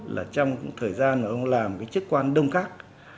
là trong thời gian ông làm cái chức